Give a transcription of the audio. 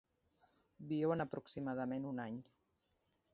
Viuen aproximadament un any.